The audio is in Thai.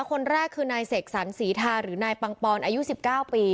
คนแรกคือนายเสกสรรศรีทาหรือนายปังปอนอายุ๑๙ปี